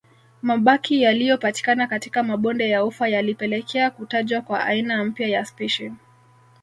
Mabaki yaliyopatikana katika mabonde ya ufa yalipelekea kutajwa kwa aina mpya ya spishi